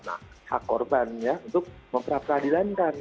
nah hak korbannya untuk memperadilankan